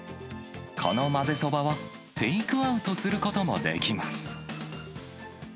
このまぜそばは、テイクアウトすることもできます。